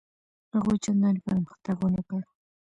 هغوی چنداني پرمختګ ونه کړ.